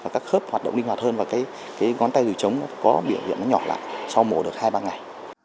các khớp hoạt động linh hoạt hơn và ngón tay dùi trống có biểu hiện nhỏ lại sau mùa được hai ba ngày